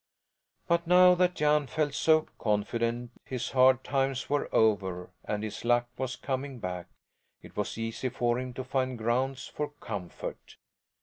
But now that Jan felt so confident his hard times were over and his luck was coming back, it was easy for him to find grounds for comfort.